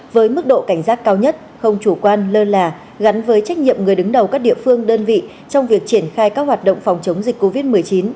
với mức độ cảnh giác cao nhất không chủ quan lơ là gắn với trách nhiệm người đứng đầu các địa phương đơn vị trong việc triển khai các hoạt động phòng chống dịch covid một mươi chín